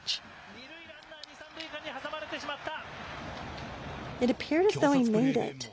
二塁ランナー、二・三塁間に挟まれてしまった。